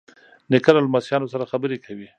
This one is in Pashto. نیکه له لمسیانو سره خبرې کوي.